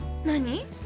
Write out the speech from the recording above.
何？